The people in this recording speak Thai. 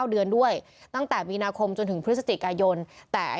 เดือนด้วยตั้งแต่มีนาคมจนถึงพฤศจิกายนแต่